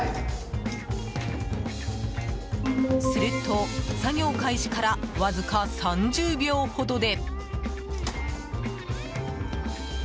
すると作業開始からわずか３０秒ほどで。